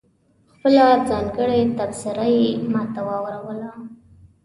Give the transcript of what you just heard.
خپله ځانګړې تبصره یې ماته واوروله.